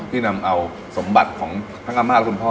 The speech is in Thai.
ที่นำเอาสมบัติของทั้งอำมาตย์และคุณพ่อ